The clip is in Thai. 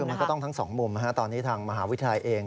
มันก็ต้องทั้งสองมุมตอนนี้ทางมหาวิทยาลัยเอง